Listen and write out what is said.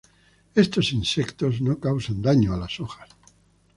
Estos insectos no causan daños a las hojas.